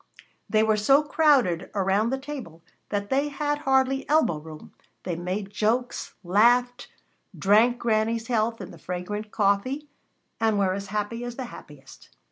They were so crowded around the table that they had hardly elbow room. They made jokes, laughed, drank Granny's health in the fragrant coffee, and were as happy as the happiest.